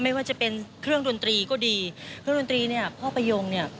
ไม่ว่าจะเป็นเครื่องดนตรีก็ดีเครื่องดนตรีเนี่ยพ่อประโยงเนี่ย